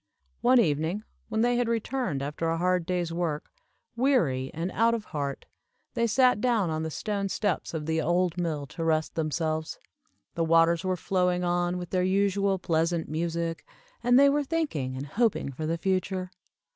One evening, when they had returned after a hard day's work, weary and out of heart, they sat down on the stone steps of the old mill to rest themselves. The waters were flowing on with their usual pleasant music, and they were thinking and hoping for the future.